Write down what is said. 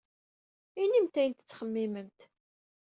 Inimt-d ayen ay tettxemmimemt.